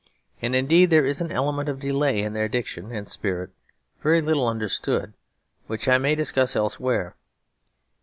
And indeed there is an element of delay in their diction and spirit, very little understood, which I may discuss elsewhere.